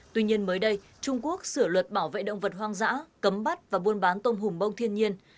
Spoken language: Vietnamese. tuy nhiên mới đây trung quốc sửa luật bảo vệ động vật hoang dã cấm bắt và buôn bán tôm hùm bông thiên nhiên